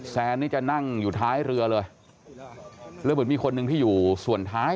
แซนนี่จะนั่งอยู่ท้ายเรือเลยแล้วเหมือนมีคนหนึ่งที่อยู่ส่วนท้าย